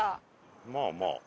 まあまあ。